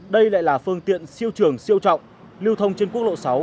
đây lại là phương tiện siêu trường siêu trọng lưu thông trên quốc lộ sáu